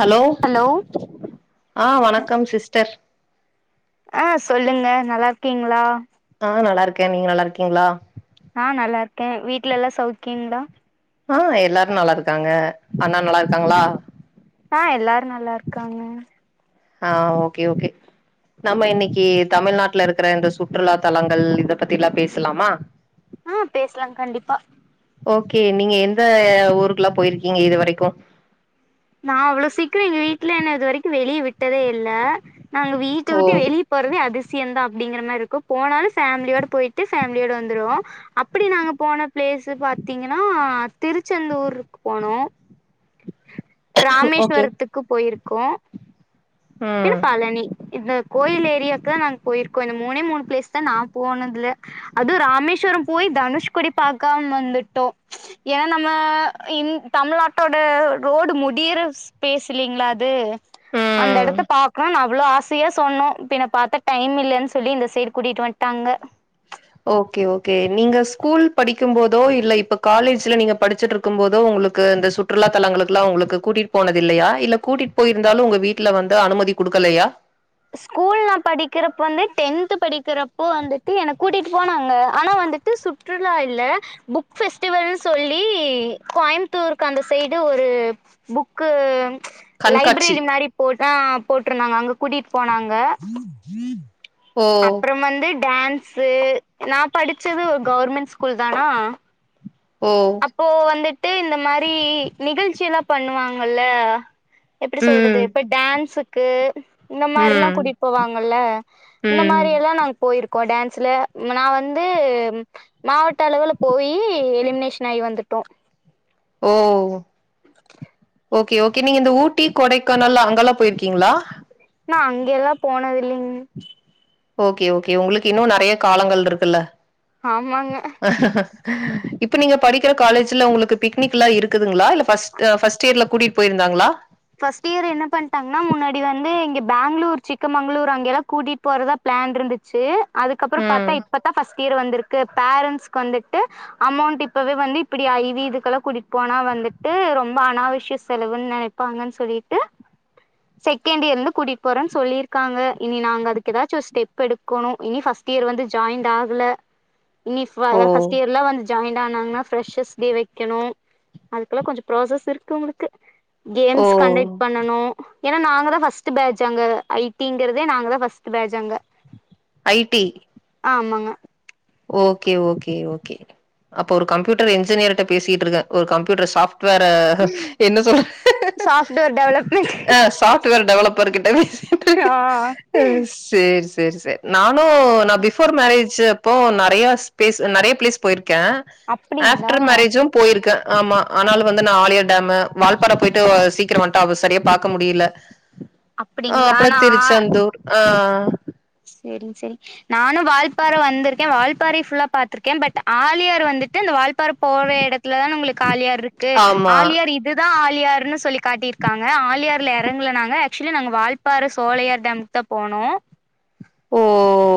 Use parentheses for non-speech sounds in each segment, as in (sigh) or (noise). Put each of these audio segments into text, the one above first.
Hello ஆ வணக்கம் sister ஆ சொல்லுங்க நல்லாருக்கீங்களா ஆ நல்லாருக்கே நீங்க நல்லா இருக்கீங்களா ஆ நல்லா இருக்கே வீட்ல எல்லா சௌவுக்கிங்களா ஆ எல்லாரு நல்லாருக்காங்க அண்ணா நல்லா இருக்காங்களா ஆ எல்லாரு நல்லாருக்காங்க ஆ ஓகே ஓகே நம்ம இன்னக்கி தமிழ்நாட்டுல இருக்குற இந்த சுற்றுலா தலங்கள் இத பத்தி எல்லா பேசலாமா ஆ பேச்லா கண்டிப்பா ஓகே நீங்க எந்த ஊருக்லா பொயிருக்கீங்க இது வரைக்கு நா அவ்ளோ சீக்ரோ எங்க வீட்ல என்ன இது வரைக்கு வெளியே விட்டதே இல்ல நாங்க வீட்ட ஓ விட்டு வெளிய போறதே அதிசயந்தா அப்டிங்ற மாரி இருக்கு போனாலு ஃபேம்லியோட பொயிட்டு ஃபேம்லியோட வந்துடுவோ அப்பிடி நாங்க போன பிளேஸ் பாத்திங்கினா திருச்செந்தூருக்கு போனோ ஓகே ராமேஸ்வரத்துக்கு பொயிருக்கோ பின்ன ம் பழனி இந்த கோயில் ஏரியாக்குதா நாங்க பொயிருக்கோ இந்த மூணே மூணு பிளேஸ்தா நா போனதுல அது ராமேஸ்வரோபோய் தனுஷ்கோடி பாக்காம வந்துட்டோ ஏனா நம்ம இன் தமிழ்நாட்டோட ரோடு முடியிற இஸ் ப்ளேஸ் இலீங்ளா அது அந்த ம் எடத் பாக்கணு நா அவ்ளோ ஆசையா சொன்னேபின்ன பாத்தா டைம் இல்லன்னு சொல்லி இந்த சைட் கூட்டிட்டு வந்துட்டாங்க ஓகே ஓகே நீங்க ஸ்கூல் படிக்கு போதோ இல்ல இப்ப காலேஜ்ல நீங்க படிச்சிட் ருக்கும்போதோ உங்ளுக்கு இந்த சுற்றுலா தலங்களுக்குல்லா உங்ளுக்கு கூட்டிட்டு போனது இல்லையா இல்ல கூட்டிட்டு பொயிருந்தாலு உங்க வீட் வீட்ல வந்து அனுமதி குடுக்கலையா ஸ்கூல்ல படிக்கிறப்போ வந்து டென்த் படிக்கிறப்போ வந்துட்டு என கூட்டிட்டு போனாங்க ஆனா வந்துட் டு சுற்றுலா இல்ல புக் ஃபெஸ்ட்டிவல்னு சொல்லி கோயம்த்தூருக்கு அந்த சைடு ஒரு புக்கு கண்காட்சி லைப்ரரி மாரி போட் ஆ போட்ருந்தாங்க அங்க கூட்டிட் போனாங்க ம் ம் அப்றம் வந்து டான்ஸு நா படிச்சது ஒரு கவ்ர்மெண்ட் ஸ்கூல் தானா ஓ இப்போ வந்துட்டு இந்த மாரி நிகழ்ச்சிலா பண்ணுவாங்கல்ல எப்டி சொல்றது ம் இப்ப டான்ஸுக்கு இந்த மாரிலா ம் கூட்டிட் போவாங்கல இந்த ம் மாரியலா நாங் க பொயிருக்கோ டான்ஸ்ல நா வந்து மாவட்ட அளவில போயி எலிமினேஷன் ஆய் வந்துட்டோ ஓ ஓகே ஓகே நீங்க இந்த ஊட்டி கொடைக்கானல் அங்கெல்லா பொயிருக்கீங்ளா நா அங்க எல்லா போனது இல்லிங் ஓகே ஓகே உங்ளுக்கு இன்னு நறைய காலங்கள்ருக்குல்ல ஆமாங்க இப்ப நீங்க படிக்கிற காலேஜ்ல உங்களுக்கு பிக்னிக் எல்லா இருக்குதுங்ளா இல்ல ஃபஸ் ஃபஸ்ட்டு இயர்ல கூட்டிட்டு பொயிருந்தாங்லா ஃபஸ்ட்டு இயர் என்ன பண்ட்டாங்ன்னா முன்னாடி வந்து இங்க பேங்ளூர் சிக்கமங்ளூர் அங்கெல்லா கூட்டிட் போறதா பிளான் இருந்துச்சு அதுக்கப்றோ பாத்தா ம் இப்பதா ஃபஸ்ட் இயர் வந்ருக்கு பேரண்ட்ஸ்க்கு வந்துட்டு அமௌண்ட் இப்பவே வந்து இப்டி ஐ வி இதுக்கெல்லா கூட்டிட் போனா வந்துட்டு ரொம்ப அனாவசிய செலவுன்னு நெனைச் பாங்கான் சொல்லிட்டு செகண்ட் இயர்லருந்து கூட்டிட் போறன் சொல்லிருக்காங்க இனி நாங்க அதுக்கு ஏதாச்சு ஒரு ஸ்டெப் எடு க்கோனு இனி ஃபஸ்ட் இயர் வந்து ஜாயிண்ட் ஆகல இனி ஃப் ஓ ஃபஸ்ட்டு இயர்லா வந்து ஜாய் ய்ண்ட் ஆனாங்ன்னா ப்ரெஸ்ஸெஸ் வைக்கணு அதுக்குல்லா கொஞ்சோ ப்ராசஸ் இருக்கு உங்ளுக்கு ஓ கேம்ஸ் கண்டக்ட் பண்ணனு ஏன்னா நாங்கதா பஸ்ட்டு பேஜ் அங்க ஐ டி ங்றதே நாங்க தா பஸ்ட்டு பேஜ் அங்க ஐ டி ஆமாங்க ஓகே ஓகே ஓகே அப்ப ஒரு கம்ப்யூட்டர் இன்ஜினியர்ட்ட பேசிட்ருக்கே ஒரு கம்ப்யூட்டர் சாஃப்ட் ட்வேர என்ன சொல்ற சாஃப்ட்வேர் டெவலப்மெண்ட் ஆ சாஃப்ட் ட்டுவேர் டெவலப்பர் கிட்ட ஆ பேசிகிட்ருக்கே அ சேர் சேர் சேர் நானு நா பிஃபோர் மேரேஜு அப்போ நெறையா ஸ்பேஸ் நெறைய ப்ளேஸ் போய்ருக்கே அப்டிங்களா ஆப்டர் மேரேஜும் போயிருக்கே ஆமா ஆனாலு வந்து நா ஆழியார் டேமு வால்பாற போயிட்டு சீக்ரோ வன்ட்டா அவ சரியா பாக்க முடியல உ ஆ அப்றோ திருச்சந்தூர் ஆ ஆ நானு வால்பாற வந்துருக்கே வால்பறை ஃபுல்லா பாத்துருக்கே பட் ஆழியார் வந்துட் ட்டு இந்த வால்பாற போற எடத்துல தான உங்களுக்கு ஆழியார் இருக்கு ஆமா ஆழியார் இப் இது தா ஆலியாருன்னு சொல்லி காட்டி இருக்காங்க ஆழியார்ல எறங்கல நாங்க ஆக்சுவலி நாங்க வால்பாற சோலையார் டேம் த்த போனோ ஓ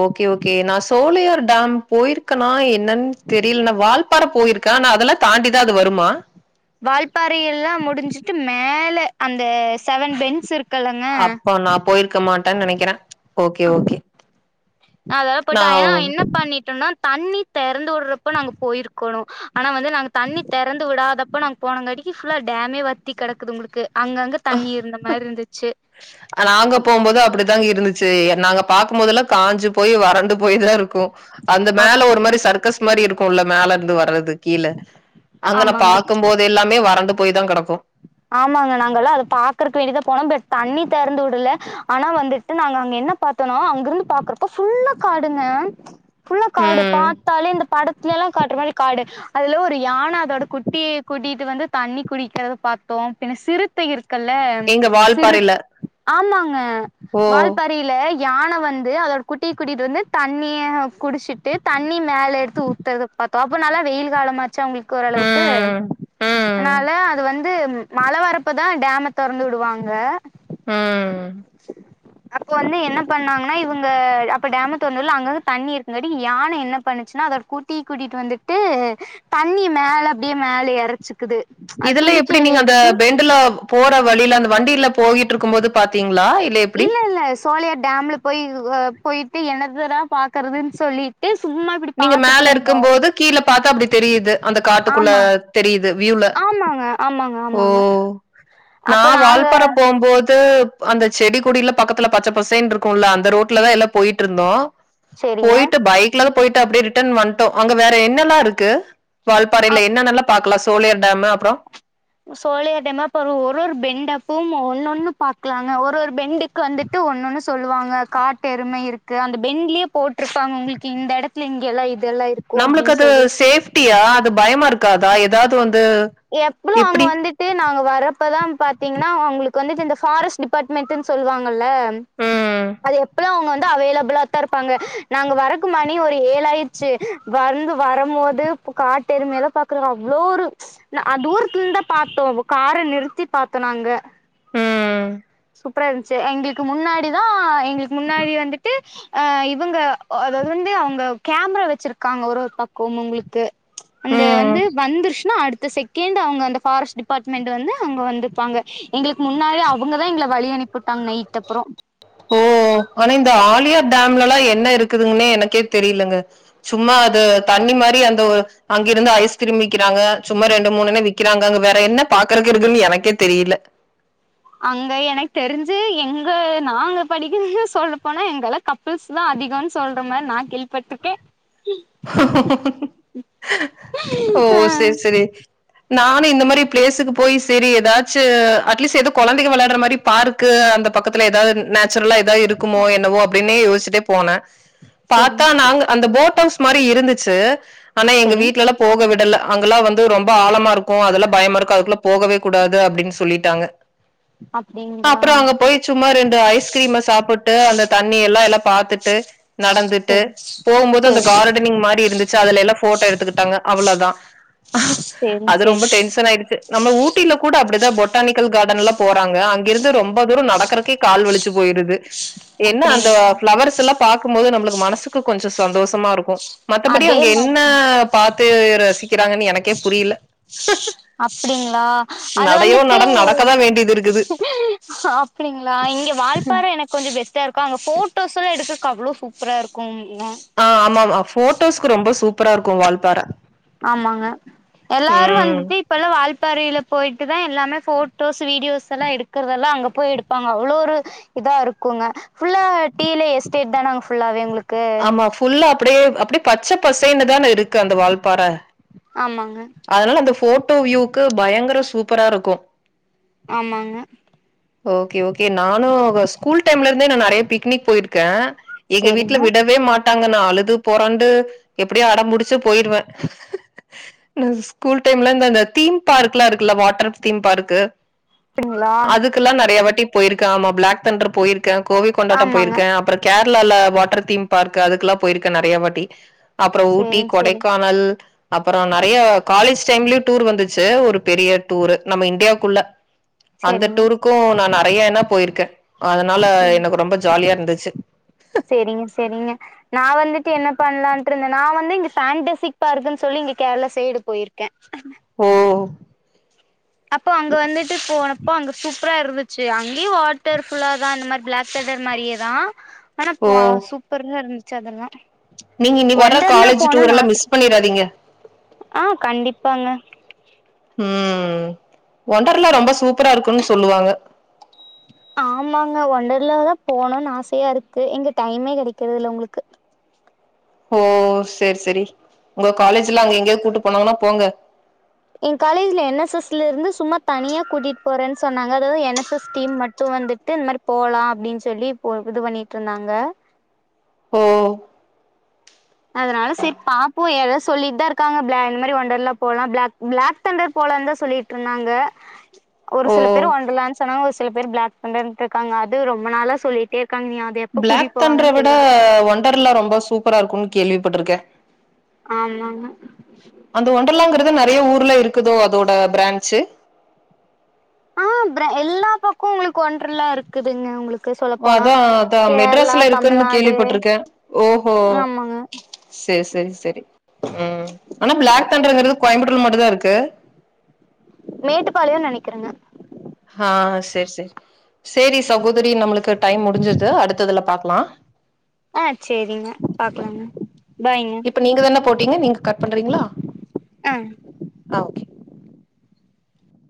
ஓகே ஓகே நா சோலையார் டேம் போயிருக்கனா என்னன்னு தெரியல நா வால்பாற போயிருக்கே ஆனா அதெல்லா தாண்டி தா அது வருமா வால்பாறை எல்லா முடுஞ்சுட்டு மேல அந்த செவன் பென்ஸ் இருக் அப்ப நா போயிருக்க மாட்டேன் நெனைக்கிறே ஓகே ஓகே நா பண்ணிட்டோனா தண்ணி தெறந்து விடுறப்ப நா போயிருக்கணு ஆனா வந்து நாங்க தெறந்து விடாதப் இப்ப நாங்க போனங்காட்டிக்கி ஃபுல்லா டேமே வத்தி கெடக்குது உங்களுக்கு அங்கங்க தண்ணி இருந்த மாரி இருந்துச்சு நாங்க போகும்போது அப்டிதாங்க இருந்துச்சு எ நாங்க பாக்கபோதெல்லா காஞ்சு போயி வறண்டு போய்தா இருக்கு அந்த மேல ஒரு மாரி சர்க்கஸ் மாரி இருக்குல்ல மேல இருந்து வர்றது கீழ அங்கன ஆமாங்க பாக்கும் போது எல்லாமே வறண்டு போய் தா கெடக்கு ஆமாங்க நாங்கல்லா அது பாக்குறக்கு வேண்டியதா போனோம் ப்ட் தண்ணி தெறந்து வுடல ஆனா வந்துட்டு நாங்க அங்க என்ன பாத் த்தனோ அங்க இருந்து பாக்குறப்போ ஃபுல்லா காடுங்க ஃபுல்லா காடு ம். பாத்தாலே இந்த படத்துலெல்லா காட்ற மாரி காடு அதுல ஒரு யான அதோட குட்டிய கூட்டிட்டு வந்து குடிக்கிறத பாத் தோம் பின்ன சிறுத்தை இருக்குல்ல எங்க சிறுத் வால்பாறையில. ஆமாங்க ஓ! வால்பாற றையில யான வந்து அதோட குட்டிய கூட்டிட்டு வந்து தண்ணிய குடுச்சுட்டு தண்ணி மேல எடுத்து ஊத்தர்த பா பாத்தே அப்ப நல்லா வெயில் காலமாச்சா உங்களுக்கு ஓரளவுக்கு ம். ம். அதுனால அது வந்து மழ வரப்பதா டேம தொறந்து விடுவாங்க ம் அப்ப வந்து என்ன பண்ணாங்கன்னா இவுங்க அப்ப டேம தொறந்து வுட்ல அங்கங்க தண்ணி இருக்கங்காட்டி யான என்ன பண்ணுச்சுன்னா அதோட குட்டிய கூட்டிட்டு வந்துட்டு தண்ணிய மேல அப்டியே மேல எறச்சுக்குது அந்த இதெல்லா எப்டி தும்பிக்கையில நீங்கஅந்த எடுத்து பெண்டுல போற வழியில அந்த வண்டில போகிட்ருக்கும் போது பாத்தீங்ளா இ இல்ல இல்ல சோலையார் டேம்ல போய் இ போயிட்டு என்னத்தடா பாக்குறதுன் சொல்லி ட்டு சும்மா இப்டி நீங்க மேல பாத்துட்ருந்தோ இருக்கும்போது கீழ பாத்தா அப்டி தெரியுது அந்த காட்டுக்குள்ள ஆமா தெரியுது வியூல ஆமாங்க ஆமாங்க ஓ ஆமாங்க நா அப்ப நாங்க வால்பாற போம்போது அந்த செடி கொடில்லா பக்கத்துல பச்ச பசேன்ருக்குல்ல அந்த ரோட்லதா எல்லா போயிட்ருந்தோ சேரிங்க போயிட்டு பைக்லதா போயிட்டு அப்டியே ரிட்டன் வன்ட்டோ அங்க வேற என்னல்லா இருக்கு வால்பாறையில என்னெல்லா பாக்கலா சோலையார் டேமு அப்றோ சோலையார் டேமு அப்றோ ஒரு ஒரு பெண்ட்டு அப்பவும் ஒன்னொண்ணு பாக்லாங்க ஒரு ஒரு பெண்ட்டு க்கு வந்துட்டு ஒன்னொன்னு சொல்லுவாங்க காட்டு எரும இருக்கு அந்த பெண்லயே போட்டிருப்பாங்க உங்களுக்கு இந்த எடத்து இங்கல்லா இதெல்லா இருக் நம்மளுக்கு அது சேஃப்டியா அது பயமா இருக்காதா ஏதாவது வந்து எப்பளு அங்க எப்படி? வந்துட்டு நாங்க வரப்பதா பாத்தீங்கன்னா அவங்களுக்கு வந்துட்டு இந்த ஃபாரஸ்ட் டிபார்ட் மெட்னு சொல்லுவாங்கல்ல ம் அது எப்பதா அவங்க வந்து அவைலபிளா (inaudible) இருப்பாங்க நாங்க வரக்கு மணி ஒரு ஏழாயிருச்சு வந்து வரபோது காட்டெருமயல்லா பாத் க்ற அவ்ளோ ஒரு அது தூரத்துல இருந்துதா பாத்தோ கார நிறுத்தி பாத்தோ நாங்க ம் சூப்பரா இருந்துச்சு எங்களுக்கு முன்னாடி தா எங்களுக்கு முன்னாடி வந்துட்டு அ இவங்க அதாவது வந்து அவங்க கேமரா வச்சிருக்காங்க ஒரு ஒரு பக்கோமு உங்களுக்கு அந்த ம் வந்து வந்துருச்சுன்னா அடுத்த செக் கேண்ட் அவங்க அந்த ஃபாரஸ்ட் டிபார்ட்மெண்ட் வந்து அவங்க வந்துப்பாங்க எங்களுக்கு முன்னாலே அவங்க வழி அனுப்பி வுட்டாங்க நைட் அப்புறோ ஓ ஆனா இந்த ஆலியா டேம்லல்லா என்ன இருக்குதுங்கன்னே எனக்கே தெரியலங்க சும்மா அது தண்ணி மாரி அந்த ஒரு அங்கிருந்து ஐஸ்கிரீம் விக்கிறாங்க சும்மா ரெண்டு மூணுணு விக்கிறாங்க அங்க வேற என்ன பாக்குறக்கு இருக்குன்னு எனக்கே தெரியல அங்க எனக்கு தெரிஞ்சு எங்க நாங்க படிக்கு சொல்ல போனா எங்கள கப்புள்ஸ் தா அதிகோனு சொல்ற மாரி நா கேள்வி பட்ருக்கே ஓ ஆ சேரி சேரி நானு இந்த மாரி பிளேஸுக்கு போய் சேரி ஏதாச்சு அட்லீஸ்ட் ஏதோ கொழந்தைங்க விளயாடுற மாரி பார்கு அந்த பக்கத்துல ஏதாவது நேச்சுரலா ஏதாவது இருக்குமோ என்னவோ அப்பிடினே யோசிச்சுட்டே போனே செரிங் பாத்தா நாங்க அந்த போட்டோஸ் மாரி இருந்துச்சு ஆனா எங்க செரிங் வீட்லலா போக விடல அங்கெல்லா வந்து து ரொம்ப ஆழமா இருக்கு அதெல்லா பயமா இருக்கு அதுக்குள்ள போகவே கூடாது அப்டின்னு சொல்லிட்டாங்க அப்டிங்களா அப்புறோ அங்க போய் சும்மா ரெண்டு ஐஸ்கிரீம சாப்பிட்டு அந்த தண்ணி எல்லா எல்லா பாத்துட்டு நடந்துட்டு செரி போம்போது அந்த செரி கார்டனிங் மாரி இருந்துச்சு அதுல எல்லா ஃபோட்டோ எடுத்துக்கிட்டாங்க அவ்ளோதா செரி அது ரொம்ப செரி டென்ஷன் ஆயிடுச்சு நம்ம ஊ ட்டில கூட அப்பிடிதா பொட்டானிக்கல் கார்டன்லா போறாங்க அங்கிருந்து ரொம்ப தூரோ நடக்கிறதுக்கே கால் வலிச்சு போயிருது என்ன அந்த அப்டிங்களா ஃப்ளவர்ஸ்ல்லா பாக்கும்போது நம்மளுக்கு மனசுக்கு கொஞ்சோ சந்தோஷமா இருக்கு மத்தபடி அதே அங்க மாரி என்ன பாத்து ரசிக்கிறாங்கன்னு எனக்கே புரியல அப்பிடிங்களா அது நடையோ வந்துட்டு நட நடக்கதான் வேண்டியது இருக்குது. ஆ அப்பிடிங்களா இங்க வால்பாற எனக்கு கொஞ்சோ பெஸ்டா இருக்கு அங்க போட்டோஸ் எல்லா எடுக்கக்கு அவ்ளோ சூப்பரா இருக்குங்க ஆ ஆமா ஆமா போட்டோஸ்க்கு ரொம்ப சூப்பரா இருக்கு வால்பாற ஆமாங்க எல்லாரு ம் வந்துட்டு இப்போல்லா வால்பாரையில போயிட்டு தா எல்லாமே ஃபோட்டோஸ் வீடியோஸ் எல்லா எடுக்கிறதெல்லா அங்கே போய் எடுப்பாங்க அவ்ளோ ஒரு இதா இருக்குங்க ஃபுல்லா டீ எஸ்டேட் தான்ங்கஃபுல்லாவே உங்களுக்கு ஆமா ஃபுல்லா அப்படியே அப்படியே பச்ச பசன்னுதானே இருக்கு அந்த வாழ்ப்பாற ஆமாங்க அதனால அந்த ஃபோட்டோ வியூக்கு பயங்கர சூப்பரா இருக்கு ஆமாங்க ஓகே ஓகே நானு ஸ்கூல் டைம்ல இருந்தே நா நறைய பிக்னிக் போயிருக்கே எங்க வீட்டுல செரிங்க விடவே மாட்டாங்க நா அழுது பொறண்டு எப்டியோ அடம்புடிச்சு போயிடுவே ஸ்கூல் டைம்ல இந்தந்த தீம் பார்க்ல்லா இருக்குல்ல வாட்டர் தீம் பார்க்கு அப்டிங்களா க்குல்லா நறையாவாட்டி போயிருக்கே ஆமா பிளாக் தாண்டர் போயிருக்கே கோவை கொண்டாட்டம் ஆமாங்க போயிருக்கே அப்பற கேர்ளால வாட்டர் தீம் பார்க் அதுக்குல்லாம் போயிருக்கேன் நறைய வாட்டி அப்புறோ ஊட்டி செரிங்க செரிங்க கொடைக்கானல் அப்புறொ நறைய காலேஜ் டைம்லயும் டூர் வந்துச்சு ஒரு பெரிய டூரு நம்ம இந்தியாக்குள்ள அந்த செரிங்க டூருக்கூ நா நறையான்னா போயிருக்கே அதனால ம் எனக்கு ரொம்ப ஜாலியா இருந்துச்சு சேரிங்க சேரிங்க நா வந்துட்டு என்ன பண்லான்ட்டு இருந்தனா நா வந்து இங்க ஃபேண்டசிக் பார்க்குன் சொல்லி இங்க கேர்ளா சைடு போயிருக் கே ஓ அப்போ அங்க வந்துட்டு போனப் ப்போ அங்க சூப்பரா இருந்துச்சு அங்கேயே வாட்டர் ஃபுல்லா தா இந்த மாரி பிளாக் தன்டர் மாரியேதா ஆனா ஓ பா சூப்பரா இருந்துச்சு அதெல்லா நீங்க இனி வர ஒண்டர்லா காலேஜ் டூர் போணுன்னு எல்லாம் ஆச மிஸ் பண்ணீறாதீங்க ஆ கண்டிப்பாங்க ம் ஒண்டர்ல்லா ரொம்ப சூப்பரா இருக்குன்னு சொல்லுவாங்க ஆமாங்க ஒண்டர்ல தா போனுன்னு ஆசையா இருக்கு எங்க டைமே கெடைக்கிறது இல்ல உங்களுக்கு ஓ சேரி சேரி உங்க காலேஜ்லா அங்க எங்கயாவ்து கூட்டு போனாங்கன்னா போங்க என் காலேஜ்ல என் எஸ் எஸ்ல இருந்து சும்மா தனியா கூட்டிட் போறேன்னு சொன்னாங்க அதாவ்து என் எஸ் எஸ் டீம் மட்டும் வந்துட்டு ட்டு இந்த மாரி போலா அப்டின் சொல்லி இப்போ இது பண்ணிகிட்ருந்தாங்க ஓ அதனால செரி பாப்போ ஏதோ சொல்லிகிட் தா இருக்காங்க பிளா இந்த மாரி ஒண்டர்லா போலா பிளாக் பிளாக் தண்டர் போலன்தா சொல்லிகிட்ருந்தாங்க ஒரு ஓ சில பேர் ஒன்டர்லான் சொன்னாங்க ஒரு சில பேர் பிளாக் தண்டர்னுட்ருக்காங்க அது ரொம்ப நாளா சொல்லிகிட்டே இருக்காங்க நீ அது எப்ப பிளாக் கூட்டிட்டு தண்டர போவாங்கன்னு விட தெரியல ஒண்டர்ல்லா ரொம்ப சூப்பரா இருக்குன்னு கேள்விப்பட்ருக்கே ஆமாங்க அந்த ஒண்டர்லாங்கறது நறைய ஊர்ல இருக்குதோ அதோட ப்ரான்ஞ்சு ஆ ப்ரா எல்லா பக்கமு உங்களுக்கு ஒன்டர்லா இருக்குதுங்க உங்களுக்கு சொல்ல போனா அதா அதா கேரளா மெட்ராஸ்ல இருக்குன்னு தமிழ்நாடு கேள்விப்பட்ருக்கே ஓஹோ ஆமாங்க சேரி சேரி சேரி ம் ஆனா பிளாக் தாண்டர்ங்கிறது கோயம்புத்தூர்ல மட்டுந்தா இருக்கு மேட்டுப்பாளையொன் நெனக்கிறேங்க ஹா சேரி சேரி சேரி சகோதரி நம்மளுக்கு டைம் முடிஞ்சுது அடுத்ததுல பாக்லா ஆ சேரிங்க பாக்லாங்க பாய்ங்க இப்ப நீங்க தான போட்டீங்க நீங்க கட் பண்றீங்ளா அ ஆ ஓகே